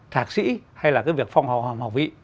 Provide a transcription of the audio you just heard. thạc sĩ hay là cái việc phòng hòa học vị